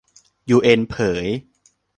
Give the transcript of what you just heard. ยูเอ็นเผย